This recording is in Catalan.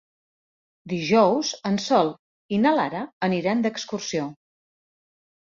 Dijous en Sol i na Lara aniran d'excursió.